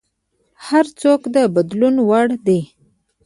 هر څوک د بدلون وړ دی.